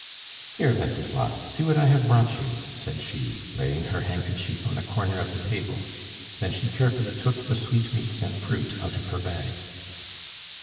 "Here, Wenceslas, see what I have brought you," said she, laying her handkerchief on a corner of the table; then she carefully took the sweetmeats and fruit out of her bag.